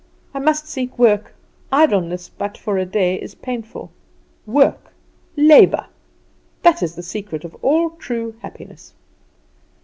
I must seek work; idleness but for a day is painful. Work, labour that is the secret of all true happiness!"